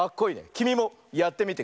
きみもやってみてくれ！